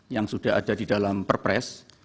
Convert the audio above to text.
yang sudah ada di dalam perpres